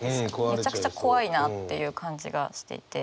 めちゃくちゃ怖いなっていう感じがしていて。